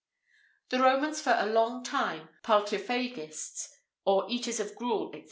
The Romans were for a long time Pultiphagists, or eaters of gruel, &c.